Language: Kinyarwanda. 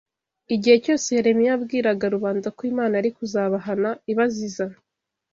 Igihe cyose Yeremiya yabwiraga rubanda ko Imana yari kuzabahana ibaziza